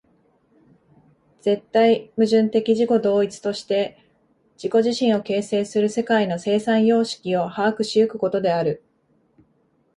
絶対矛盾的自己同一として自己自身を形成する世界の生産様式を把握し行くことである。